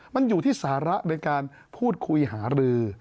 มันอยู่ที่สาระในการพูดคุยหารือ